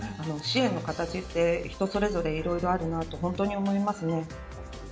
支援の形って人それぞれいろいろあるなと本当に思いますね。